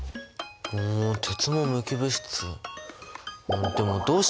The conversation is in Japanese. お鉄も無機物質。